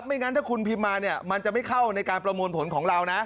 ไม่งั้นถ้าคุณพิมพ์มาเนี่ยมันจะไม่เข้าในการประมวลผลของเรานะ